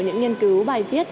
những nghiên cứu bài viết